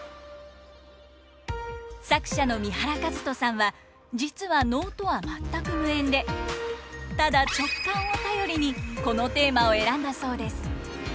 作者の三原和人さんは実は能とは全く無縁でただ直感を頼りにこのテーマを選んだそうです。